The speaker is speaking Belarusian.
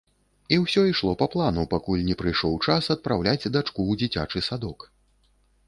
І ўсё ішло па плану, пакуль не прыйшоў час адпраўляць дачку ў дзіцячы садок.